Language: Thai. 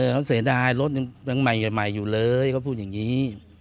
เขาเสียดายรถยังใหม่อยู่เลยเขาพูดอย่างนี้